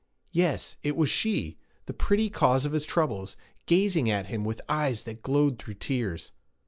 Yes, it was she, the pretty cause of his troubles, gazing at him with eyes that glowed through tears.